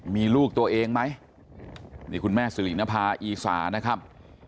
มีลูกตัวเองไหมนี่คุณแม่สิรินภาอีสานะครับ